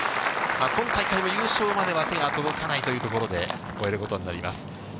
今大会の優勝までは手が届かないということで終えることになります。